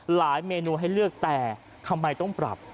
เมนูให้เลือกแต่ทำไมต้องปรับ